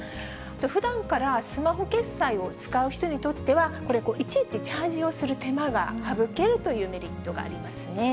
ふだんからスマホ決済を使う人にとっては、これ、いちいちチャージをする手間が省けるというメリットがありますね。